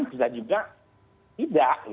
bisa juga tidak